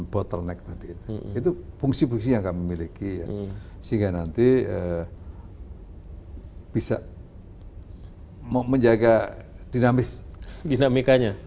bottleneck tadi itu fungsi fungsi yang memiliki sehingga nanti bisa mau menjaga dinamis dinamikanya